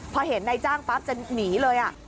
พอเห็นนายจ้างปั๊บจะหนีเลย